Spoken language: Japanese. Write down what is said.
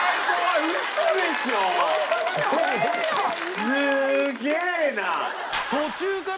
「すげえな！」